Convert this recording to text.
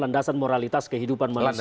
landasan moralitas kehidupan malaysia